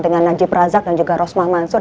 dengan najib razak dan juga rosmah mansur